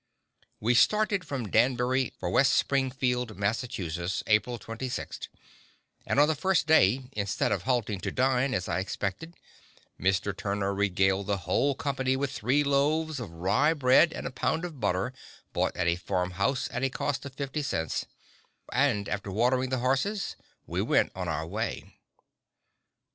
We started from Danbury for West Springfield, Massachusetts, April 26th, and on the first day, instead of halting to dine, as I expected, Mr. Turner regaled the whole company with three loaves of rye bread and a pound of butter, bought at a farm house at a cost of fifty cents, and, after watering the horses, we went on our way.